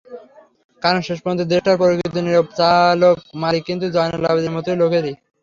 কারণ শেষ পর্যন্ত দেশটার প্রকৃত নীরব চালক-মালিক কিন্তু জয়নাল আবেদিনের মতো লোকেরাই।